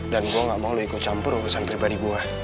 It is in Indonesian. dan gue nggak mau lo ikut campur urusan pribadi gue